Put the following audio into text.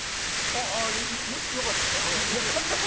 良かったですよ。